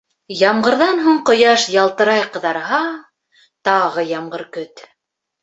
Ямғырҙан һуң ҡояш ялтырай ҡыҙарһа, тағы ямғыр көт.